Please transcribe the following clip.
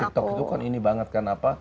tiktok itu kan ini banget kan apa